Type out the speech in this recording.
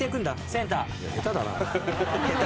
センター。